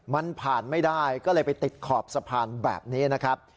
มันผ่านไม่ได้ก็เลยไปติดขอบสะพานแบบนี้นะครับ